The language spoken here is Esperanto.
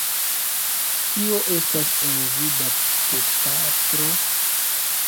Kio estas en vi, baptopatro?